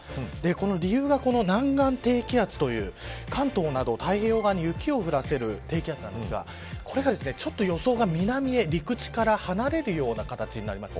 理由は南岸低気圧という関東など、太平洋側に雪を減らせる低気圧ですがこの予想が南へ陸地から離れる形になります。